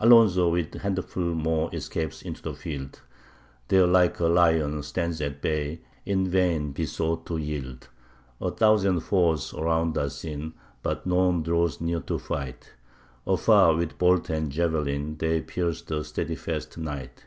Alonzo with a handful more escapes into the field, There like a lion, stands at bay, in vain besought to yield: A thousand foes around are seen, but none draws near to fight, Afar with bolt and javelin, they pierce the steadfast knight.